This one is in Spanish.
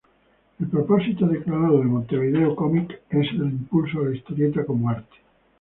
El propósito declarado de Montevideo Comics es el impulso a la historieta como arte.